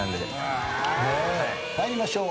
参りましょう。